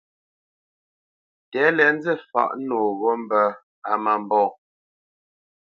Tɛ̌lɛ nzî fǎʼ nǒ mbə̄ á má mbɔ̂.